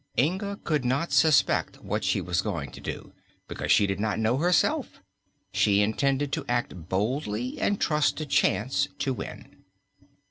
Inga could not suspect what she was going to do, because she did not know herself. She intended to act boldly and trust to chance to win.